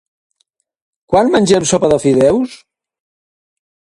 Quan mengem sopa de fideus?